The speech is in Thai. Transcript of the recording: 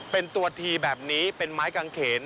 เป็นตัวทีแบบนี้เป็นไม้กางเขน